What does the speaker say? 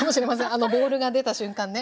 あのボウルが出た瞬間ね。